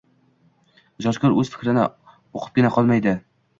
Ijodkor o‘z fikrini o‘qitibgina qolmaydi.